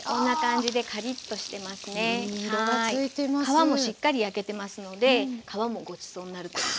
皮もしっかり焼けてますので皮もごちそうになるという。